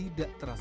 untuk menolak bala